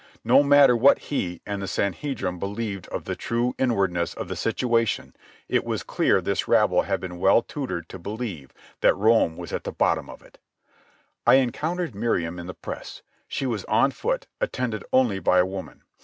No matter what he and the Sanhedrim believed of the true inwardness of the situation, it was clear this rabble had been well tutored to believe that Rome was at the bottom of it. I encountered Miriam in the press. She was on foot, attended only by a woman.